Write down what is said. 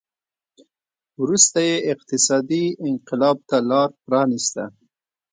وروسته یې اقتصادي انقلاب ته لار پرانېسته.